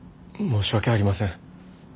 申し訳ありません。